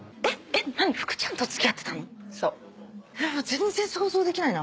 全然想像できないな。